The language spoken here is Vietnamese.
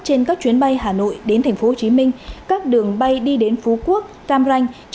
trên các chuyến bay hà nội đến tp hcm các đường bay đi đến phú quốc cam ranh